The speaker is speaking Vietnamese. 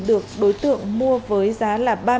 được đối tượng mua với giá là